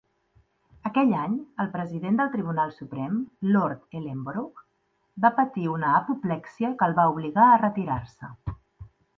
Aquell any, el president del Tribunal Suprem, Lord Ellenborough, va patir una apoplexia que el va obligar a retirar-se.